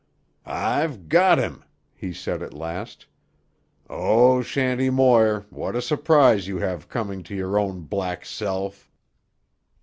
"I've got him!" he said at last. "Oh, Shanty Moir, what a surprise you have coming to your own black self!"